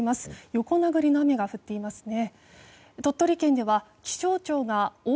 横殴りの雨が降っていますね。